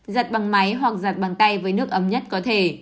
giật bằng máy hoặc giặt bằng tay với nước ấm nhất có thể